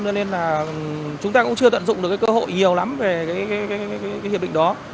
cho nên là chúng ta cũng chưa tận dụng được cơ hội nhiều lắm về hiệp định đó